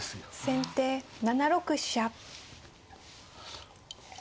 先手７六飛車。